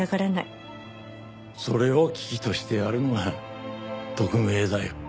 それを喜々としてやるのが特命だよ。